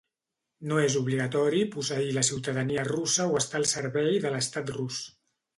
No és obligatori posseir la ciutadania russa o estar al servei de l'estat rus.